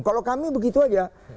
kalau kami begitu aja